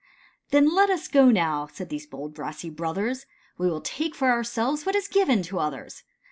" "Then let us go, now," said these bold brassy brothers, "We will take for ourselves, what is given to others.